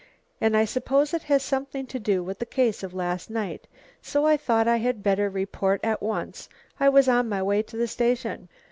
And I suppose it has something to do with the case of last night, so I thought I had better report at once. I was on my way to the station."